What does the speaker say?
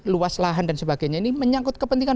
luas lahan dan sebagainya ini menyangkut kepentingan